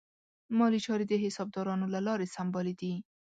مالي چارې د حسابدارانو له لارې سمبالې دي.